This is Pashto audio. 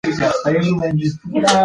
ماشومان په دې ډالیو ډېر خوشاله شول.